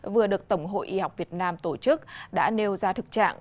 vừa được tổng hội y học việt nam tổ chức đã nêu ra thực trạng